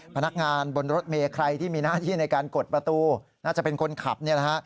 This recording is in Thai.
พนักงานบนรถเมย์ใครที่มีหน้าที่ในการกดประตูน่าจะเป็นคนขับนี่แหละฮะ